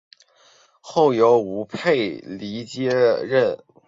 后由吴棐彝接任。